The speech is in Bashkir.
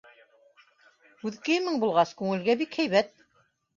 Үҙ кейемең булғас, күңелгә бик һәйбәт.